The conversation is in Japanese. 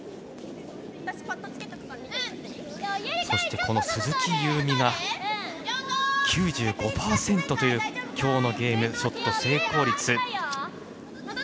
そして鈴木夕湖が９５％という、今日のゲームのショット成功率。